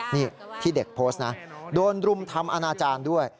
นี่ที่เด็กโพสต์นะโดนรุมทำอนาจารย์ด้วย